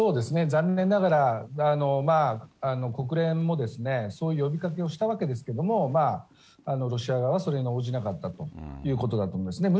残念ながら国連もそう呼びかけをしたわけですけれども、ロシア側はそれに応じなかったということだと思いますね。